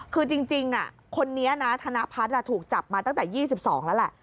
คือจริงคนนี้นะธนพัฒน์ถูกจับมาตั้งแต่๒๒แล้วแหละ